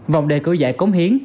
vòng đề cử giải cống hiến